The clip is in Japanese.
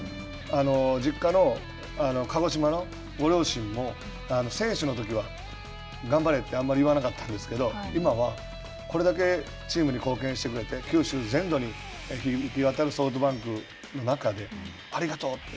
実家の鹿児島のご両親も、選手のときは、頑張れってあんまり言わなかったんですけど、今は、これだけチームに貢献してくれて、九州全土に響き渡るソフトバンクの中で、ありがとうって。